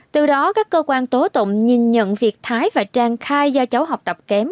từ đó các cơ quan tố tụng nhìn nhận việc thái và trang khai do cháu học tập kém